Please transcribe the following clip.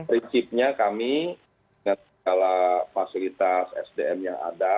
prinsipnya kami dengan segala fasilitas sdm yang ada